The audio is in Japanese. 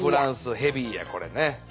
ヘビーやこれね。